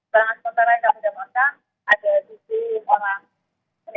dan sementara yang kami dapatkan